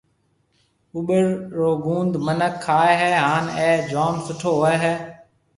ٻُٻڙ رو گُوند مِنک کائي هيَ هانَ اَي جوم سُٺو هوئي هيَ۔